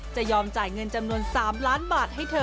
จะยอมจ่ายเงินจำนวน๓ล้านบาทให้เธอ